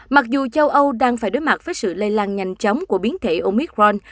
mặc dù châu âu đang phải đối mặt với sự lây lan nhanh chóng của biến thể omicron